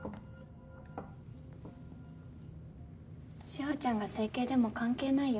志法ちゃんが整形でも関係ないよ。